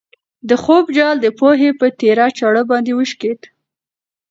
د خوب جال د پوهې په تېره چاړه باندې وشکېد.